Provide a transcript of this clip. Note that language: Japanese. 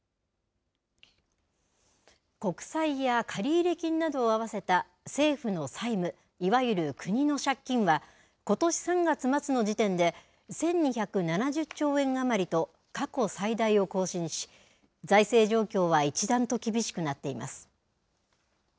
国債や借入金などを合わせた政府の債務、いわゆる国の借金は、ことし３月末の時点で、１２７０兆円余りと過去最大を更新し、財政状況は一段と厳しくなっています。